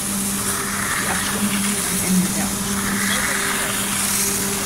Die Abstimmung findet am Ende der Aussprache statt.